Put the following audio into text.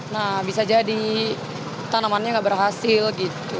nah bisa jadi tanamannya nggak berhasil gitu